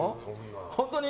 本当に？